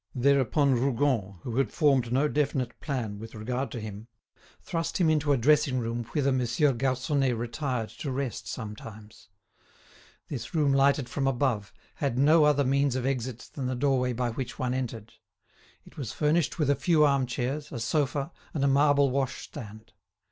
Thereupon Rougon, who had formed no definite plan with regard to him, thrust him into a dressing room whither Monsieur Garconnet retired to rest sometimes. This room lighted from above, had no other means of exit than the doorway by which one entered. It was furnished with a few arm chairs, a sofa, and a marble wash stand.